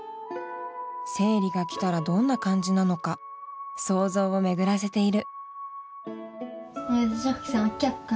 生理が来たらどんな感じなのか想像を巡らせている。